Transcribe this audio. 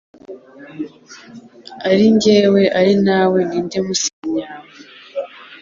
Ari njyewe Ari nawe Ninde musinzi nyawe